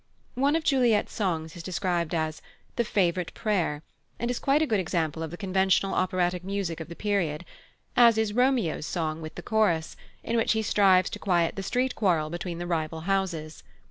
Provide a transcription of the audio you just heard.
One of Juliet's songs is described as "The Favourite Prayer," and is quite a good example of the conventional operatic music of the period; as is Romeo's song with chorus, in which he strives to quiet the street quarrel between the rival houses.